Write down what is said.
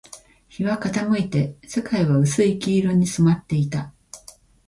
日は傾いて、世界は薄い黄色に染まっていた